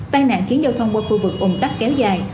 tai nạn khiến giao thông qua khu vực ủng tắc kéo dài